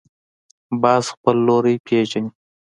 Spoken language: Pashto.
باز خپل لوری پېژني